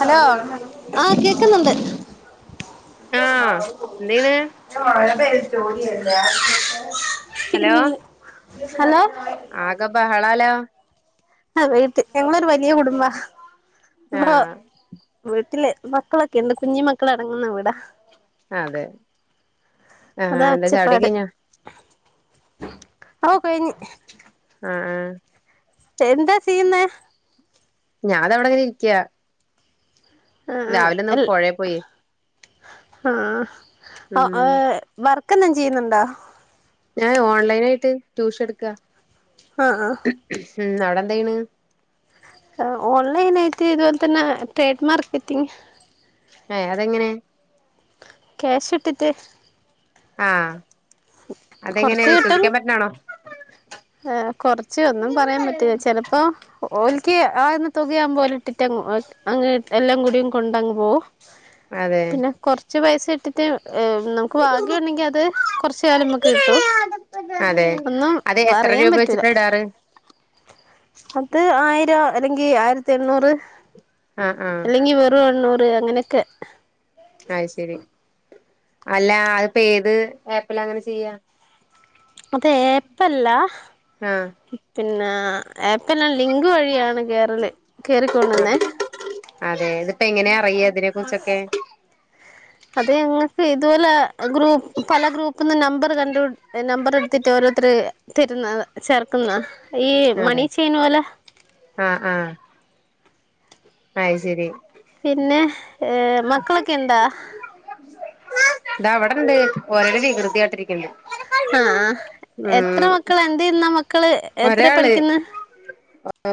Hello ആഹ് കേക്ക്ന്ന്ണ്ട് ആഹ് എന്തെയ്യ്ണ് ഹലോ ഹലോ ആകെ ബഹളാല്ലോ അത് വൈറ്റ് ഞങ്ങളൊരു വലിയ കുടുംബാ ആഹ് [unintelligible] വീട്ടിലേ മക്കളൊക്കെയുണ്ട് കുഞ്ഞി മക്കള് അടങ്ങ്ന്ന വീടാ അതെ ആഹ് അതാ എന്താ ചായുടി ഒക്കെ ഒച്ചപ്പാട് കഴിഞ്ഞോ അവൊ കൈഞ്ഞ് ആഹ് ആഹ് എന്താ ചിയ്യ്ന്നേ ഞാത ഇവടെ ഇങ്ങനെ ഇരിക്കാ ആഹ് ആഹ് രാവിലെ ഒന്ന് എൽ പൊഴേ പോയി ആഹ് ആഹ് ഉം ഏഹ് വർക്ക് എന്തേലും ചിയ്യ്ന്ന്ണ്ടാേ ഞാന് ഓൺലൈനായിട്ട് ട്യൂഷൻ ഇട്ക്കാ ആഹ് ആഹ് ഉം അവടെ എന്തായ്യ്ണ് ആഹ് ഓൺലൈനായിട്ട് ഇത് പോലെ തന്നെ ട്രേഡ് മാർക്കറ്റിംഗ് ഏഹ് അതെങ്ങനെ ക്യാഷ് ഇട്ട്ട്ട് ആഹ് അതെങ്ങനെ കുറച്ച് കിട്ടും വിശ്വസിക്കാൻ പറ്റ്ണാണോ ഏഹ് കൊറച്ച് ഒന്നും പറയാംപറ്റില്ല ചെല അപ്പോ ഓൽക്ക് ആക്ന്ന തുകയാവുമ്പൊ ഓല് ഇട്ടിറ്റങ്ങ് പോവും അത് അങ്ങനെ എല്ലാം കൂടിയും കൊണ്ടങ്ങ് പോവും അതെ പിന്നെ കൊർ ച്ച് പൈസ ഇട്ടിട്ട് നമുക്ക് ഭാഗ്യം ഉണ്ടെങ്കി അത് കാെറച്ച് കാലം ഇമ്മക്ക് കിട്ടും അതെ ഒന്നും അത് എത്ര പറയാൻ രൂപ പറ്റൂല വെച്ചിട്ടാ ഇടാറ് അത് ആയിരം എല്ലെങ്കി ആയിരത്തി എണ്ണൂറ് ആഹ് ആഹ് എല്ലെങ്ങി വെറും എണ്ണൂറ് അങ്ങനെയെക്കെ അത് ശെരി അല്ല അത്പ്പ ഏത് ഏപ്പിലാ അങ്ങനെ ചിയ്യാ അത് ഏപ്പല്ല ആഹ് പിന്നെ ഏപ്പ്ല് ലിങ്ക് വഴിയാണ് കേറല് കേറി തോന്നുന്നേ ആഹ് അതെ ഇതിപ്പങ്ങനെ അറിയാ ഇതിനെ കുറിച്ചൊക്കെ അത് ഞങ്ങൾക്ക് ഇതുപോലെ ഗ്രൂ പല ഗ്രൂപ്പ്ന്നും നമ്പറ് കണ്ടു നമ്പറ് ഇടുത്തിട്ട് ഓരോരുത്തര് ത്തിരുന്ന ചേർക്കുന്ന ഈ അതെ മണി ചെയ്ന് പോലെ ആഹ് ആഹ് അയ് ശെരി. പിന്നെ ഏഹ് മക്കളൊക്കെ എന്താ ഇതാ ഇവടെണ്ട് ഒരോരോ വികൃതിയാട്ടിര്ക്ക്ണ്ട് ആഹ് എത്ര മക്കളാ എന്തെയ്യുന്നാ മക്ക ഒരാള്,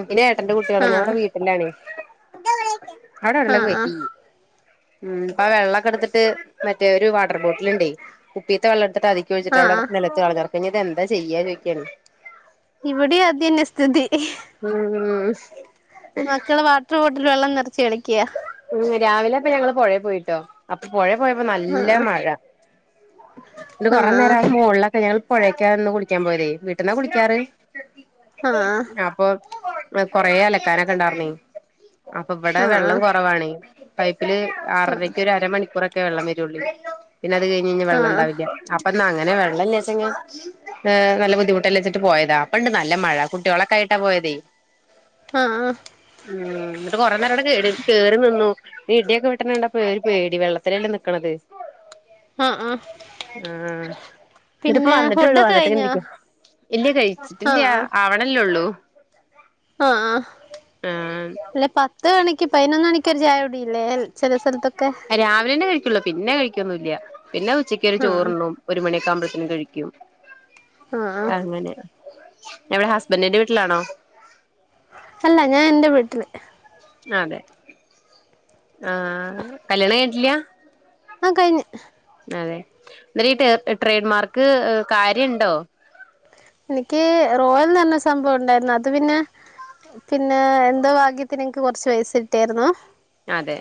പിന്നെ ഏട്ടന്റെ കുട്ടിയേള ആഹ് ഞനിവടെ വീ ട്ട്ലാണ്, അവടെ വെള്ളക്കെ ആഹ് ആഹ് വറ്റി ഹ്മ്മ് ഇപ്പ വെള്ളക്കട്ത്ത്ട്ട് മറ്റേ ഒര് വാട്ടർ ബോട്ടില്ണ്ടേ കുപ്പീത്തെ വെള്ളട്ത്ത്ട്ട് അതി ചോച്ചിട്ട് ആഹ് അവടെ ആഹ് നിലത്ത് കെടക്കാണ് ഇഞ്ഞ് ഇത് എന്താ ചെയ്യാ ചോയ്ക്കാണ് ഇവടിം അതന്നെ സ്ഥിതി. ഹ്മ്മ് മക്കള് വാട്ടർ ബോട്ടില് വെള്ളം നിറച്ച് കളിക്ക ആഹ് രാവിലെപ്പ ഞങ്ങള് പൊഴെ പോയിട്ടോ അപ്പൊ പോഴെ പോയപ്പോ നല്ല ആഹ് മഴ ഇന്ന് ആഹ് കൊറേനേരം മോളിലൊക്കെ ഞാൻ പൊഴക്കായ്രുന്ന് കുളിക്കാൻ പോയതേ വീട്ട്ന്നാ കുളിക്കാറ്, ആഹ് അപ്പൊ കൊറേ അലക്കാനൊക്കെണ്ടായ്രുന്നേ അപ്പ ഇവടെ ആഹ് ആഹ് വെള്ളം കൊ കൊവാണ്, പൈപ്പ്ല് ആറരക്ക് ഒരരമണിക്കൂറൊക്കെ വെള്ളം വരൊള്ളേ പിന്നെ അത് കഴഞ്ഞ ഞ്ഞി വെള്ളം ആഹ് ഉണ്ടാവില്ല്യ അപ്പ എന്നാ അങ്ങനെ വെള്ളല്ലാചഞ്ഞാ ഏ നല്ല ബുദ്ധിമുട്ടല്ലേച്ചിട്ട് പോയതാ അപ്പണ്ട് നല്ല മഴ കുട്ടികളൊക്കെ ആയിട്ടാ പോയതേ അ ആ ഉം ന്നിട്ട് കൊറെേ നേരവടെ കേറി കേറി നിന്നു ഈ ഇടിയൊക്കെ വിെട്ടണണ്ടപ്പേ ഒരു പേടി വെള്ളത്തിലല്ലെ നിക്ക്ണത് ആഹ് ആഹ് ആ ഇന്നിട്ടിപ്പൊ പിന്നെ വന്നിട്ടേള്ളൂ ഫുഡൊക്കെ വന്നിട്ട്ങ്ങനെ കഴിഞ്ഞോ ഇരിക്ക ഇല്ല കഴിച്ചിട്ടില്ല ആഹ് ആവണല്ലേള്ളൂ ആആ ആഹ് അല്ല പ ത്ത് മണിക്ക് പതിനൊന്ന് മണിക്കൊരു ഛായകുടിയില്ലേ ചില സ്ഥലത്തൊക്കെ രാവിലെന്നെ കഴിക്കുള്ളൂ പിന്നെ കഴിക്കൊന്നൂല്ലേ പിന്നെ ഉച്ചക്കൊരു ആഹ് ചോറുണ്ണും ഒരു മണിയൊക്കെ ആവുമ്പോഴത്തിനും കഴിക്കും ആഹ് ആഹ് അങ്ങനെ എവിടെ ഹസ്ബന്റിന്റെ വീട്ടിലാണോ? അല്ല ഞാൻ എന്റെ വീട്ടില് അതെ ആ കല്യാണം കഴിഞ്ഞിട്ടില്ല ആ കഴിഞ്ഞ് അതെ ഇന്നിട്ടീ ഈ ട്രേഡ്മാർക്ക് കാര്യണ്ടോ? എനിക്ക് റോയൽന്ന് പറഞ്ഞ സംഭവം ഉണ്ടായിരുന്നു അത് പിന്നെ പിന്നെ എന്തോ ഭാഗ്യത്തിന് എനിക്ക് കൊറച്ച് പൈസ കിട്ടിയാര്ന്നു അതെ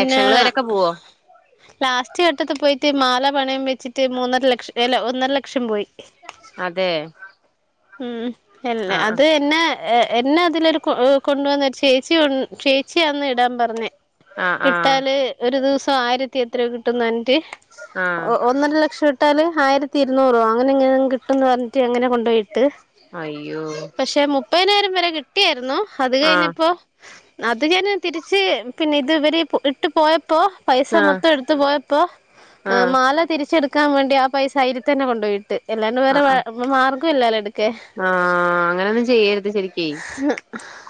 ലക്ഷങ്ങള് വരൊക്കെ പോവോ? ലാസ്റ്റ് ഘട്ടത്തി പോയിട്ട് മാല പണയം വെച്ചിട്ട് മൂന്നര ലക്ഷം അല്ല ഒന്നര ലക്ഷം പോയി അതെ ഉം എല്ലെ ആഹ് അത് എന്നെ എ എന്നെ അതിലൊരു കൊണ്ടുവന്ന ഒരു ചേച്ചി ചേച്ചിയാന്ന് ഇടാൻ പറഞ്ഞേ ആഹ് ആഹ് ഇട്ടാല് ഒരു ദിവസം ആയിരത്തി എത്രോ കിട്ടുന്ന് പറഞ്ഞിട്ട് ആഹ് ആഹ് ഒന്നര ലക്ഷം ഇട്ടാൽ ആയിരത്തിരുന്നൂറ് അങ്ങനെങ്ങനേം കിട്ടുന്ന് പറഞ്ഞിട്ട് അങ്ങനെ കൊണ്ടോയി ട്ട് അയ്യോ പക്ഷെ മുപ്പയിനായിരം വരെ കിട്ടിയായിരുന്നു അത് ആഹ് കഴിഞ്ഞപ്പോ- അത് ഞാന് തിരിച്ച് പിന്നെ ഇത് ഇവര് ഇട്ട് പോയപ്പോ പൈസ ആഹ് മൊത്തം എടുത്തു പോയപ്പോ ആഹ് മാല തിരിച്ചെടുക്കാൻ വേണ്ടി ആ പൈസ അയിൽ തന്നെ കൊണ്ടുപോയി ട്ട് എല്ലാണ്ട് വേറെ മാർഗ്ഗവില്ലല്ലോ എടു ആ അങ്ങനെയൊന്നും ചെയ്യരുത് ശരിക്ക്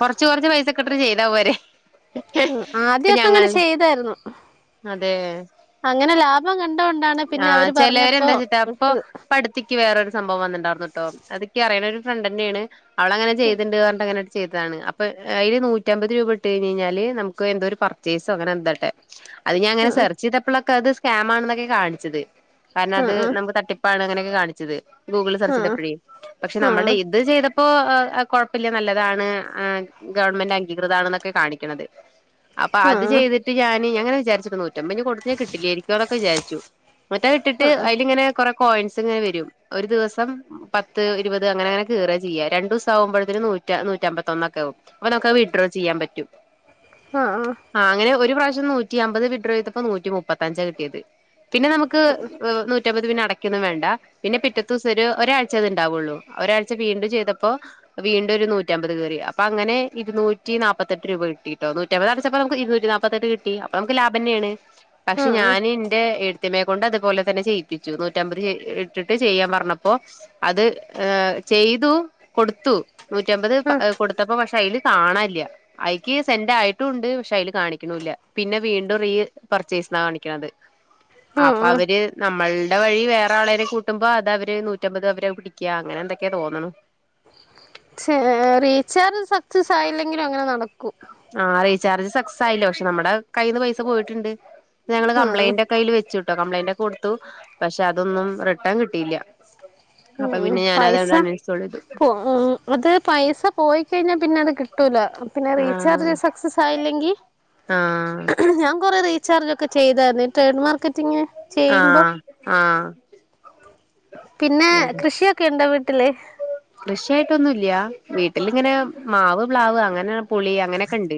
കൊറച്ച് കൊറച്ച് പൈസക്കെട്ട് ചെയ്താ പോരെ? ഉം ഇപ്പൊ ആദ്യവൊക്കെ അങ്ങനെ ഞങ്ങളുടെ ചെയ്താരുന്നു. അതെ അങ്ങനെ ലാ ഭം കണ്ടകൊണ്ടാണ് പിന്നെ അവര് പറഞ്ഞപ്പോ ഇട്ടത് പ്പക്ക് വേറൊരു സംഭവം വന്നിട്ടുണ്ടാർന്നുട്ടോ അതിക്ക് അറിയുണൊരു ഫ്രണ്ടന്നേണ് അവളങ്ങനെ ചെയ്തുണ്ട് പറഞ്ഞിട്ടങ്ങ ചെയ്താണ് അപ്പൊ അതില് നൂറ്റമ്പത് രൂപ ഇട്ട് കഴിഞ്ഞ് കഴിഞ്ഞാൽ നമുക്ക് എന്തോ ഒരു പർച്ചേസ് അങ്ങനെ എന്താട്ടെ അത് ഞാങ്ങനെ ആഹ് സെർച്ച് ചെയ്തപ്പോഴൊക്കെ അത് സ്കാം ആണെന്നൊക്കെ കാണിച്ചത് കാരണം അത് ആഹ് നമ്മുക്ക് തട്ടി പ്പാണ് അങ്ങനെയൊക്കെ കാണിച്ചത് ഗൂഗിൾ സെർച്ച് ആഹ് ചെയ്തപ്പോഴെ പക്ഷെ നമ്മുടെ ഇത് ആഹ് ചെയ്ത പ്പൊ കുഴപ്പല്ല്യ നല്ലതാണ് ഗവൺമെൻ്റ് അംഗീകൃതാണ്ന്നൊക്കെ കാണിക്ക്ണത് അപ്പൊ അത് ആഹ് ചെയ്തിട്ട് ഞാന് അങ്ങനെ വിചാരിച്ചു നൂറ്റമ്പതിന് കൊടുത്താ കിട്ടില്ലായിരിക്കോന്നൊക്കെ വിചാരിച്ചു മറ്റേ അത് ഇട്ടിട്ട് ആഹ് അയിലിങ്ങനെ കൊറെ കോയിൻസ് ഇങ്ങനെ വരും ഒരു ദിവസം പത്ത് ഇരുപത് അങ്ങനെ അങ്ങനെ കേറുകയാ ചെയ്യാ രണ്ടൂസം ആകുമ്പോഴത്തേന് നൂറ്റ് നൂറ്റമ്പത്തൊന്നൊക്കെ ആകും അപ്പൊ നമുക്കത് വിഡ്രോ ചെയ്യാൻ പറ്റും ആ ആ ആ അങ്ങനെ ഒരു പ്രാവശ്യം നൂറ്റി അമ്പത് വിഡ്രോ ചെയ്തപ്പോ നൂറ്റി മുപ്പത്തഞ്ചാ കിട്ടിയത് പിന്നെ നമുക്ക് നൂറ്റമ്പത് പിന്നെ അടക്കുവൊന്നും വേണ്ട പിന്നെ പിറ്റേത്തൂസം ഒരു ഒരാ ച്ചതുണ്ടാവുള്ളൂ ഒരാഴ്ച വീണ്ടും ചെയ്തപ്പോ വീണ്ടു ഒരു നൂറ്റമ്പത് കേറി അപ്പൊ അങ്ങനെ ഇരുന്നൂറ്റിനാപ്പത്തെട്ട് രൂപ കിട്ടി ട്ടോ നൂറ്റ് റ്റമ്പത് അടച്ചപ്പോ നമുക്ക് ഇരുന്നൂറ്റി നാല്പ്പത്തെട്ട് കിട്ടി അപ്പോ നമുക്ക് ലാഭ ന്നേണ് പക്ഷെ ആഹ് ഞാന് ന്റെ എട് ത്തി അമ്മയെ കൊണ്ട് അതുപോലെ തന്നെ ചെയ്യിപ്പിച്ചു നൂറ്റമ്പത് ഇട്ടിട്ട് ചെയ്യാൻ പറഞ്ഞപ്പോ അത് എ ചെയ്തു കൊടുത്തു നൂറ്റമ്പത് പ ആഹ് കൊടുത്തപ്പോ പക്ഷെ അയില് കാണാല്ല്യ അയിക്ക് സെന്റ് ആയിട്ടുണ്ട് പക്ഷെ അയില് കാണിക്കുണുല്ല പിന്നെ വീണ്ടും റീ പർച്ചേസ് ന്നാ കാണിക്ക്ണത് അപ്പൊ ആഹ് അവര് നമ്മളുടെ വഴി വേറെ ആളെനെ കൂ ട്ടുമ്പോ അത് അവര് നൂറ്റമ്പത് അവരെ പിടിക്ക അങ്ങനെ എന്തൊക്കേ തോന്നണു ച്ചെ റീചാർജ് സക്സസ് ആയില്ലെങ്കിലും അങ്ങനെ നടക്കും ആ റീചാർജ് സക്സസ് ആയില്ല പക്ഷെ നമ്മുടെ കയ്യീന്ന് പൈസ പോയിട്ടുണ്ട് ഞങ്ങള് ആഹ് കംപ്ലൈന്റൊ കയ്യിൽ വെച്ചുട്ടോ കംപ്ലൈന്റ് ഒക്കെ കൊടുത്തു പക്ഷെ അതൊന്നും റിട്ടേൺ കിട്ടിയില്ല അപ്പൊ പിന്നെ പൈസ ഞാനതണ്ട് അണ് ഇൻസ്റ്റാളിതു പോ ഉം അത് പൈസ പോയി കഴിഞ്ഞാ പിന്നെ അത് കിട്ടൂല പിന്നെ റീചാർജ് ആഹ് സക്സസ് ആയില്ലെങ്കി ആഹ് ഞാൻ കൊറെ റീ ചാർജൊക്കെ ചെയ്താരുന്നു ഈ ട്രേഡ് മാർക്കറ്റിംഗ് ആ ആ പിന്നെ കൃഷിയൊക്കെ ഉണ്ടോ വീട്ടില്? കൃഷിയായിട്ടൊന്നുല്ല്യ വീട്ടിലിങ്ങനെ മാവ് പ്ലാവ് അങ്ങനെ പുളി അങ്ങനെയൊക്കണ്ട്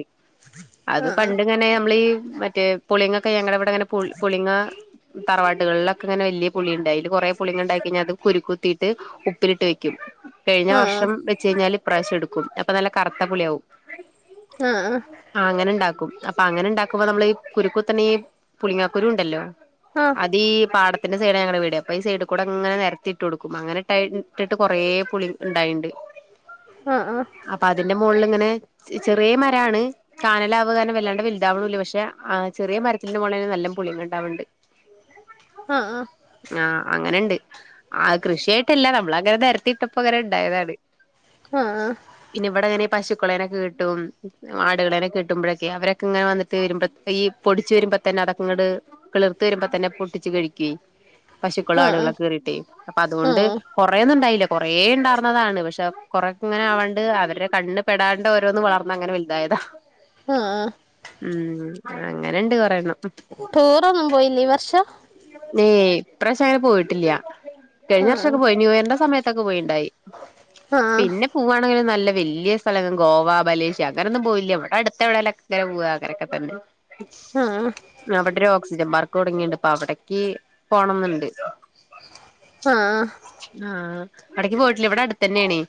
അത് ആ പണ്ടിങ്ങനെ നമ്മളീ മറ്റേ പുളിങ്ങൊക്കെ ഞങ്ങളുടെ വീ ക്കൊങ്ങന പു പുളിങ്ങ തറവാട്ടുകളിലൊക്കെ ഇങ്ങനെ വല്ല്യ പുളിയുണ്ടായില് കൊറെേ പുളിങ്ങണ്ടായി കയ്ഞ്ഞാ അത് കുരുക്കുത്തീട്ട് ഉപ്പിലിട്ട് വെക്കും കഴിഞ്ഞ ആ വർഷം വെച്ച് കഴിഞ്ഞാല് ഇപ്രാവശ്യം എടുക്കും അപ്പൊ നല്ല കറുത്ത പുളിയാവും. ആ ആ ആ അങ്ങനെ ഉണ്ടാക്കും അപ്പൊ അങ്ങനെ ഉണ്ടാക്കുമ്പോ നമ്മൾ ഈ കുരുക്കുത്തനെ ഈ പുളിങ്ങാക്കുരു ഉണ്ടല്ലോ ആ അതീ പാടത്തിന്റെ സൈഡാ ഞങ്ങടെ വീട് അപ്പം ഈ സൈഡിക്കൂടെ അങ്ങനെ നിരന്ന് ത്തിട്ട് കൊടുക്കും അങ്ങനെ ഇട്ട് ഇട്ടിട്ട് കുറേ പുളി ഉണ്ടായിണ്ട് ഉഹ് ഉഹ് അപ്പൊ അതിന്റെ മുകളിൽ ഇങ്ങനെ ചെറിയ മരാണ് [unintelligible] വല്ലാണ്ട് വലുതാവണൂല്ല പക്ഷെ ആ ചെറിയ മരത്തിൽനിന്ന് പോണെ നല്ല പുളിങ്ങ ഉണ്ടാവണുണ്ട് ആഹ് ആഹ് ആഹ് അങ്ങനെയുണ്ട് ആ കൃഷിയായിട്ടല്ല നമ്മള് അങ്ങനെ നിരത്തി ഇട്ടപ്പോ അങ്ങനെ ഉണ്ടായതാണ്. അ ആഹ് പിന്നെ ഇവിടെ എങ്ങനെയെ പശുക്കളേനൊക്കെ കെട്ടും ആടുകളെനെ കെട്ടുമ്പോഴൊക്കെ അവരൊക്കെ ഇങ്ങനെ വന്നിട്ട് വരുമ്പോഴ ഈ പൊടിച്ച് വരുമ്പോ തന്നെ അതൊക്കങ്ങോട് കിളിർത്തു വരുമ്പോ തന്നെ പൊട്ടിച്ച് കഴിക്കുവെ പശുക്കള് ആ ആടുകളൊക്കെ കേറിയിട്ടേ അപ്പൊ ആ ആ അതുകൊണ്ട് കുറേന്നും ഉണ്ടായില്ല കൊറേ ഉണ്ടായിർന്നതാണ് പക്ഷെ കൊറെ ഇങ്ങനെ ആവാണ്ട് അവരുടെ കണ്ണ് പെടാ ണ്ട് ഓരോന്ന് വളർന്ന് അങ്ങനെ വലുതായതാ ആഹ് ഉം അങ്ങനെണ്ട് കൊറ എണ്ണം ടൂറൊന്നും പോയില്ലേ ഈ വർഷം ഏഹ് ഇപ്രാവശ്യം അങ്ങനെ പോയിട്ടില്ല ആ കഴിഞ്ഞ വർഷൊക്കെ പോയി ന്യൂയറിന്റെ സമയത്തൊക്കെ പോയിണ്ടായി. ആ ആ പിന്നെ പോവാണെങ്കിൽ നല്ല വലിയ സ്ഥലങ്ങളിൽ ഗോവ മലേഷ്യ അങ്ങനൊന്നും പോയില്ല ഇവിടെ അടുത്ത് എവിടേലുമൊക്കെ [unintelligible] പോവഅങ്ങനെക്കെ തന്നെ ആ അവിടെ ഒരു ഓക്സിജൻ പാർക്ക് തുടങ്ങിണ്ട് അപ്പൊ അവിടക്ക് പോണം എന്നുണ്ട്. ആഹ് ആഹ് ഇടക്ക് പോയിട്ടില്ല ഇവിടെ അടുത്ത് തന്നെയാണ്.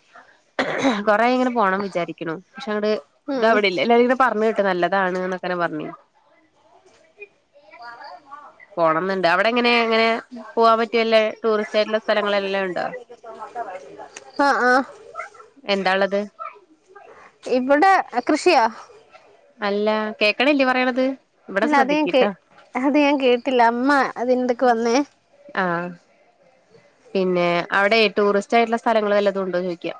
കൊറെേ ഇങ്ങനെ പോകണം വിചാരിക്കുന്നു. പക്ഷെ അങ്ങട് ഇത് ഉം ആവണില്ല എല്ലാവരും ഇങ്ങനെ പറഞ്ഞു കേട്ടു നല്ലത് അതാണ് ന്നക്കനെ പറഞ്ഞു പോണം എന്നുണ്ട് അവിടെ എങ്ങനെ എങ്ങനെ പോവാൻ പറ്റിയല്ലേ ആഹ് ആഹ എന്താള്ളത് ഇവിടെ കൃഷിയാ അല്ല കേക്കണില്ലീ പറയണത് ഇവിടെ ഇല്ല അത് ഞാൻ കേ ശ്രദ്ധിക്കിട്ടാ അത് ഞാൻ കേട്ടില്ല അമ്മ അത് എൻ്റടുക്ക് വന്നോ ആഹ് പിന്നെ അവിടെ ടൂറിസ്റ്റ് ആയിട്ടുള്ള സ്ഥലങ്ങൾ വല്ലതും ഉണ്ടോ ചോദിക്കാ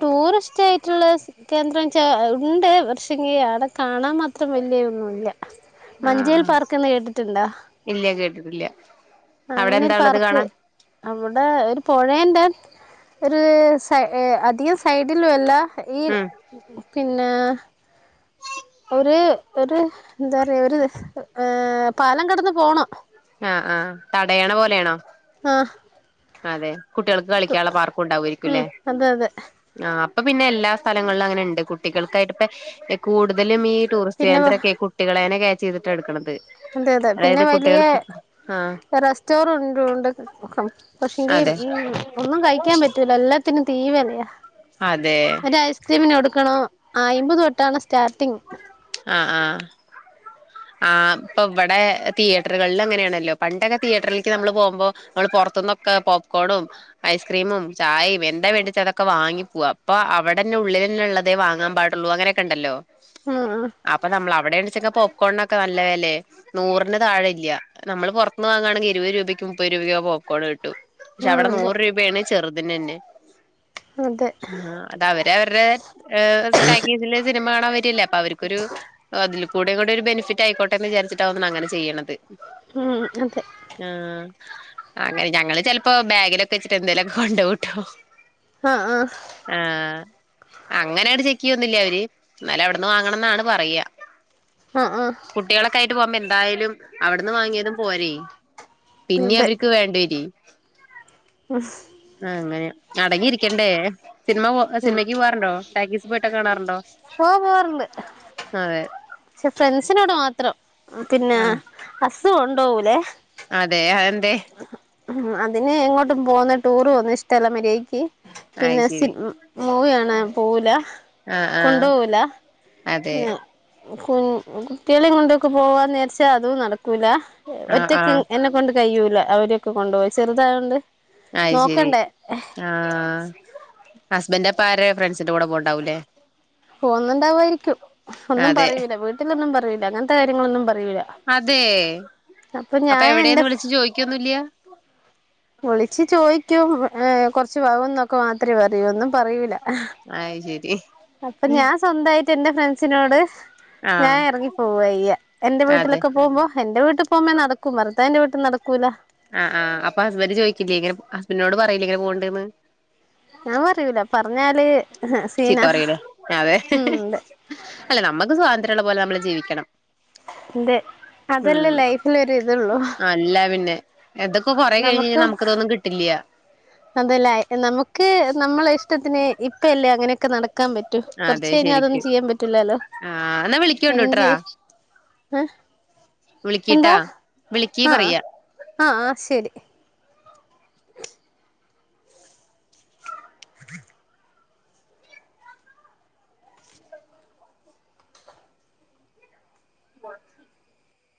ടൂറിസ്റ്റ് ആയിട്ടുള്ള കേന്ദ്രം വച്ചാ ഉണ്ട് പക്ഷെങ്കിൽ അവിടെ കാണാൻ മാത്രം വലിയ ഇതൊന്നുമില്ല ആഹ് ആ ഇല്ല കേട്ടിട്ടില്ല അവിടെ അങ്ങനെ എന്താ ഒരു ഉള്ളത് പാർക്ക് കാണാൻ? അവിടെ ഒരു പുഴയുണ്ട് ഒരു സൈ അധികം സൈഡിലും അല്ല ഈ ഉം പിന്നെ ഒരു ഒരു എന്താ പറയാ ഒരു ഏഹ് പാലം കടന്ന് പോണം. ആഹ് ആഹ് തടയണ പോലെയാണോ? ആഹ് അതെ കുട്ടികൾക്ക് കളിക്കാനുള്ള പാർക്കും ഉണ്ടാവാരിക്കും ല്ലേ ഉം അതെ അതെ ആഹ് അപ്പൊ പിന്നെ എല്ലാ സ്ഥലങ്ങളിലും അങ്ങനെ ഉണ്ട് കുട്ടികൾക്കായിട്ട് ഇപ്പ കൂടുതലും ഈ ടൂറിസ്റ്റ് പിന്നെ കേന്ദ്രമൊക്കെ കുട്ടികളെ ആണ് ക്യാച്ച് ചെയ്തിട്ട് എടുക്കണത്. അതെ അതെ പിന്നെ അതായത് വലിയ കുട്ടികൾ ആഹ് റെസ്റ്റോറും ഉണ്ട് ഉണ്ട് ഉം പക്ഷെങ്കി അതെ ഉം ഒന്നും കഴിക്കാൻ പറ്റൂലാ എല്ലാത്തിനും തീ വിലയാ അതെ സ്മിന കൊടുക്കണോ അയിമ്പത് തൊട്ടാണ് സ്റ്റാർട്ടിങ് ആഹ് ആഹ് ആഹ് ഇപ്പൊ ഇവിടെ തിയേറ്ററുകളിൽ അങ്ങനെയാണല്ലോ പണ്ടൊക്കെ തിയേറ്ററിലേക്ക് നമ്മൾ പോകുമ്പോ നമ്മൾ പുറത്തുനിന്ന പോപ്കോണും ഐസ്ക്രീമും ചായയും എന്താ വേണ്ടെന്ന് വെച്ചാ അതൊക്കെ വാങ്ങി പോവാ ഇപ്പൊ അവിടെന്നെ ഉള്ളിൽ ഉള്ളത് തന്നെ വാങ്ങാൻ പാടുള്ളൂ ള്ളൂ അങ്ങനെയൊക്കെ ഉണ്ടല്ലോ ആഹ് അപ്പൊ നമ്മൾ അവിടെ എണിച്ചെങ്ക പോപ്കോണൊക്കെ നല്ല വിലയാ നൂറിന്റെ താഴെ ഇല്ല നമ്മള് പുറത്തുന്ന് വാങ്ങുകവാണെങ്കിൽ ഇരുപത് രൂപയ്ക്ക് മുപ്പത് രൂപയ്ക്കും പോപ്ക്കോൺ കിട്ടും പക്ഷെ ആഹ് അവിടെ അതെ നൂറ് രൂപയാണ് ചെറുതിന് തന്നെ അതെ ആഹ് അത് അവര് അവരുടെ ടാക്കേജിലെ സിനിമ കാണാൻ വരില്ലേ അപ്പൊ അവർക്കൊരു അതിൽ കൂടെ ഇത് ഒരു ബെനിഫിറ്റ് ആയിക്കോട്ടെ എന്ന് വിചാരിച്ചിട്ടാവും അങ്ങനെ ചെയ്യണത് ഉം അതെ ആഹ് ഞങ്ങള് ചെലപ്പോ ബാഗിലൊക്കെ വെച്ചിട്ട് എന്തേലുമൊക്കെ കൊണ്ടുപോവൂട്ടോ ആഹ് ആഹ് ആഹ് അങ്ങനെയണ്ട് ചെക്ക് ചെയ്യില്ല അവര് എന്നാലും അവിടെന്ന് വാങ്ങണംന്നാണ് പറയ ആഹ് ആഹ് കുട്ടികളൊക്കെ ആയിട്ട് പോകുമ്പോ എന്തായാലും അവിടുന്ന് വാങ്ങിയതും പോര പിന്നെ അതെ അവർക്ക് വേണ്ടി വരും [inaudible] [unintelligible] ആഹ് അങ്ങനെ അടങ്ങിയിരിക്കണ്ടേ സിനിമ പോ ഉം സിനിമക്ക് പോകവാറുണ്ടോ [unintelligible] പോയിട്ട് കാണാറുണ്ടോ ഓ പോവാറുണ്ട് അതെ പക്ഷെ ഫ്രണ്ട്സിനോട് മാത്രം പിന്നെ ആഹ് ഹസ് കോണ്ടോവൂലെ. അതെ അതെന്തെ? ഉം അതിന് എങ്ങോട്ടും പോകുന്ന ടൂർ പോണ ഇഷ്ടമല്ല മര്യാദയ്ക്ക് അയ് പിന്നെ ശരി സിന് മൂവിയാണാൻ പോവൂല ആഹ് ആഹ് കൊണ്ടോവൂല അതെ [unintelligible] കു കുട്ടികളെ കൊണ്ടൊക്കെ പോവാ നെരിച്ചാൽ അതും നടക്കൂല ആഹ് ഒറ്റക്ക് ആഹ് ഇങ്ങനെ എന്റെ കൊണ്ട് കഴിയൂല അവരൊക്കെ കൊണ്ടുപോയി ചെറുതായതോണ്ട് അയ്ശരി ആഹ് ഹസ്ബന്റ്പ്പം ആരെ ഫ്രണ്ട്സിന്റെ കൂടെ പോകുണ്ടാവൂല്ലേ പോകുന്നുണ്ടാവാമായിരിക്കും ഒന്നും അതെ പറയൂല വീട്ടിലൊന്നും പറയുല അങ്ങനത്തെ കാര്യങ്ങളൊന്നും പറയൂല. അതെ അപ്പൊ അപ്പോ ഞാൻ എന്റെ എവിടെന്ന് വിളിച്ച് ചോദിക്കൊന്നുല്ല വിളിച്ച് ചോയ്ക്കും [unintelligible] കൊറച്ച് [unintelligible] എന്നൊക്കെ മാത്രമേ പറയൂ ഒന്നും പറയൂല. അയ്ശരി അപ്പോ ഞാൻ സ്വന്തമായിട്ട് എന്റെ ഫ്രണ്ട്സിനോട് ഞാൻ ആഹ് ഇറങ്ങി പോവയ്യ എന്റെ അതെ വീട്ടിലൊക്കെ പോകുമ്പോ എന്റെ വീട്ടിൽ പോകുമ്പോ നടക്കും ഭർത്താവിന്റെ വീട്ടിൽ നടക്കൂല. ആഹ് ആഹ് അപ്പോ ഹസ്ബന്റ് ചോയ്ച്ചില്ലെനോ ഹസ്ബിനോട് പറയില്ലേ ഇങ്ങനെ പോക്ണ്ടന്ന്. ഞാൻ പറയൂല പറഞ്ഞാല് ചീത്ത സീനാ പറിലെ ഉം അതെ [unintelligible] അല്ല നമ്മുക്ക് സ്വാതന്ത്ര്യമുള്ള പോലെ നമ്മള് ജീവിക്കണം അതെ അതല്ലേ ഉം ലൈഫിലോരു ഇതള്ളൂ അല്ല പിന്നെ ഇതൊക്കെ കൊറെ കഴിഞ്ഞഴിഞ്ഞാ നമുക്കും നമുക്കിതൊന്നും കിട്ടില്ല്യ അതല്ലേ നമുക്ക് നമ്മളെ ഇഷ്ടത്തിന് ഇപ്പയല്ലേ അങ്ങനെയൊക്കെ നടക്കാൻ പറ്റു റ്റും അതെ കോറച്ചഴിഞ്ഞാ അതൊന്നും ശരിക്കും ചെയ്യാൻ പറ്റുല്ലാലോ ആ എന്നാ വിളിക്കോണ്ടൂട്രാ എഞ്ചോയ് [unintelligible] വിളിക്കിട്ടോ വിളിക്കീ പറയാ ആഹ് ആഹ് ശരി